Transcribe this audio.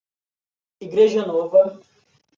Igreja Nova